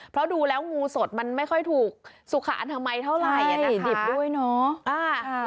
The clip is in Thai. เพราะดูแล้วงูสดมันไม่ค่อยถูกสุขอันธรรมัยเท่าไหร่อย่างนี้นะคะ